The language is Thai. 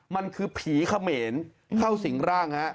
มันคือผีเขมรเข้าสิงร่างฮะ